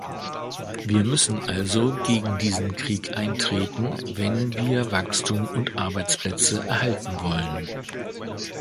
Wir müssen also gegen diesen Krieg eintreten, wenn wir Wachstum und Arbeitsplätze erhalten wollen.